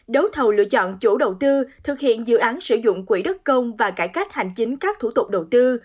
đấu thầu lựa chọn chủ đầu tư thực hiện dự án sử dụng quỹ đất công và cải cách hành chính các thủ tục đầu tư